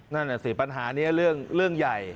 นั่นน่ะสิปัญหานี้เรื่องใหญ่